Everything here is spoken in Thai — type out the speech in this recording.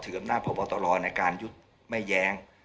ถืออำนาจพบตรรอยในการยุทธ์ไม่แย้ง